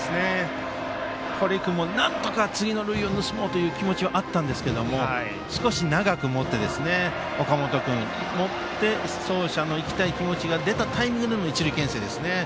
堀君もなんとか次の塁を盗もうという気持ちはあったんですけど少し長く持って走者の行きたい気持ちが出たタイミングでの一塁けん制でした。